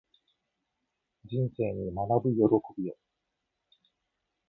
人生に学ぶ喜びを